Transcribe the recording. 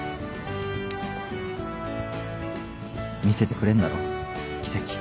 見せてくれんだろ奇跡。